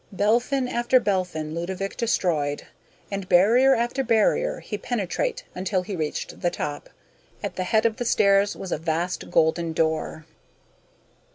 Belphin after Belphin Ludovick destroyed, and barrier after barrier he penetrated until he reached the top. At the head of the stairs was a vast golden door.